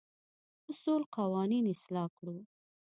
اصول قوانين اصلاح کړو.